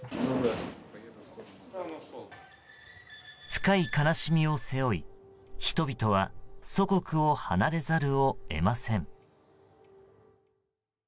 深い悲しみを背負い、人々は祖国を離れざるを得ません。